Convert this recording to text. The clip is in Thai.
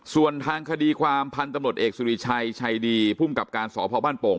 ส่วนทางคดีความพันธุ์ตำรวจเอกสุริชัยชัยดีภูมิกับการสพบ้านโป่ง